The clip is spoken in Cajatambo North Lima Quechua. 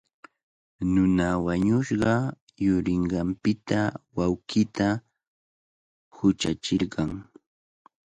Nuna wañushqa yurinqanpita wawqiita huchachirqan.